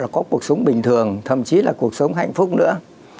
có cuộc sống bình thường thậm chí là cuộc sống hạnh phúc nữa